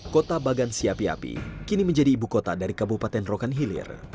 kota bagan siapi api kini menjadi ibu kota dari kabupaten rokan hilir